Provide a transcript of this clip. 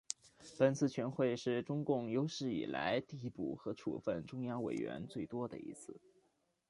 本次全会是中共有史以来递补和处分中央委员最多的一次。